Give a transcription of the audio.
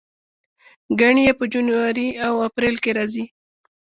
ګڼې یې په جنوري او اپریل کې راځي.